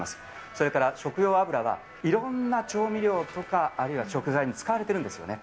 それから食用油はいろんな調味料とか、あるいは食材に使われているんですよね。